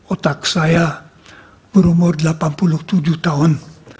otak saya berumur delapan puluh tujuh tahun